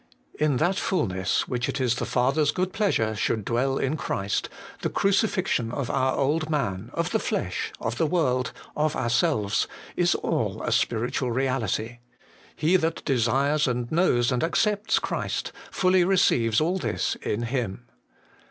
In that fulness, which it is the Father's good pleasure should dwell in Christ, the crucifixion of our old man, of the flesh, of the world, of our selves, is all a spiritual reality ; he that desires and knows and accepts Christ, fully receives all this in Him.